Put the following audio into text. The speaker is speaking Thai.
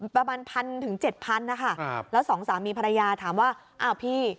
ประมาณพันถึงเจ็ดพันนะคะแล้วสองสามีภรรยาถามว่าอ้าวพี่